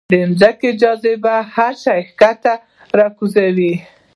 د ځمکې جاذبه هر شی ښکته راکاږي.